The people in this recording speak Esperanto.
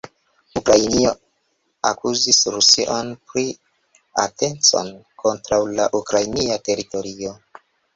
Ukrainio akuzis Rusion pri atencoj kontraŭ la ukrainia teritorio.